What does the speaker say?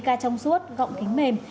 tất cả trong suốt gọng kính mềm